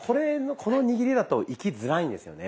この握りだといきづらいんですよね。